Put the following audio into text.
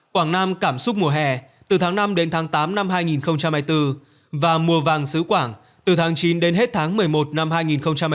quảng nam cảm xúc mùa hè từ tháng năm đến tháng tám năm hai nghìn hai mươi bốn và mùa vàng xứ quảng từ tháng chín đến hết tháng một mươi một năm hai nghìn hai mươi ba